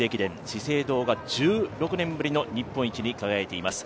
資生堂が１６年ぶりの日本一に輝いています。